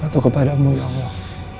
untuk kepadamu ya allah